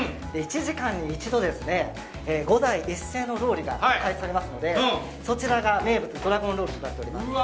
１時間に一度、５台一斉にロウリュが開始されますのでそちらが名物ドラゴンロウリュとなっております。